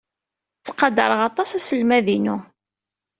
Ttqadareɣ aṭas aselmad-inu.